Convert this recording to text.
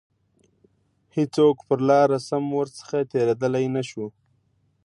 هیڅوک پر لاره سم ورڅخه تیریدلای نه شو.